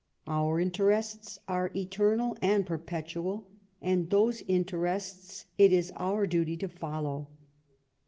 Our interests are eternal and perpetual, and those interests it is our duty to follow.